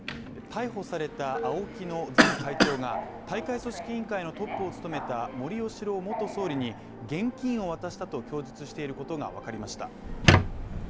逮捕されたＡＯＫＩの前会長が大会組織委員会のトップを務めた森喜朗元総理に現金を渡したと供述していることが分かりました。